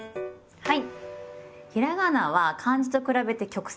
はい。